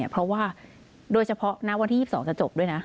เพราะว่าโดยเฉพาะณวันที่๒๒จะจบด้วยนะ